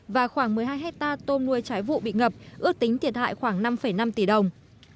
và khoảng một mươi hai hectare tôm nuôi trái vụ bị ngập ước tính thiệt hại khoảng năm năm tỷ đồng